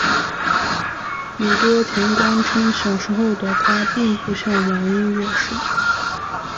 宇多田光称小时候的她并不向往音乐事业。